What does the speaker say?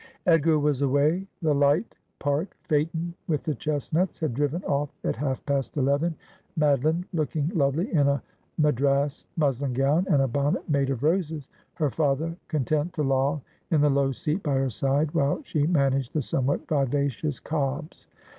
Edgar was away ; the light park phaeton with the chestnuts had driven off at half past eleven, Madoline looking lovely in a Madras muslin gown and a bonnet made of roses, her father con tent to loll in the low seat by her side while she managed the somewhat vivacious cobs.